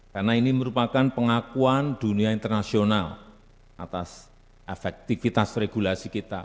karena ini merupakan pengakuan dunia internasional atas efektivitas regulasi kita